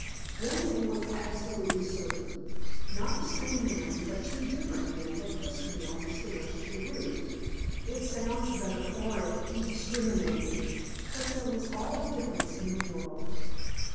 One thing was absolutely certain: not the same man, but two different men had kissed me on the stairs to the roof. It sounds rather horrid and discriminating, but there was all the difference in the world.